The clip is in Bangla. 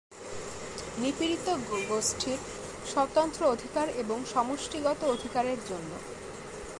নিপীড়িত গোষ্ঠীর স্বতন্ত্র অধিকার এবং সমষ্টিগত অধিকারের জন্য।